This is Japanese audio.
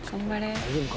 大丈夫か？